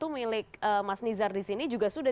milik mas nizar disini juga sudah